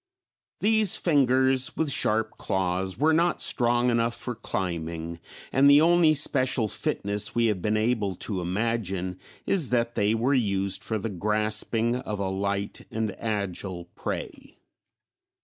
These fingers, with sharp claws, were not strong enough for climbing, and the only special fitness we have been able to imagine is that they were used for the grasping of a light and agile prey (see figs.